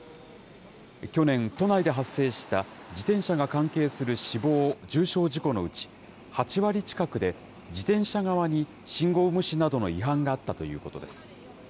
去年、都内で発生した自転車が関係する死亡・重傷事故のうち、８割近くで自転車側に信号無視などの違反があったということです。